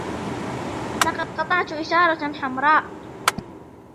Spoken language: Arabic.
لقد قطعت إشارة حمراء.